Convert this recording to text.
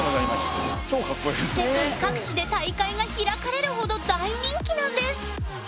世界各地で大会が開かれるほど大人気なんです！